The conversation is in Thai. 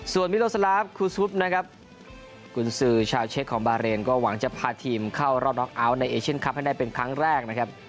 ส่วนวิทยาลัยศาสตร์ครูสรุปนะครับกุญสือชาวเช็คของบาร์เรนก็หวังจะพาทีมเข้ารอดล็อคอาวต์ในเอเชนคลับให้ได้เป็นครั้งแรกนะครับ